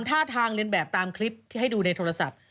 ท่าทางเรียนแบบตามคลิปที่ให้ดูในโทรศัพท์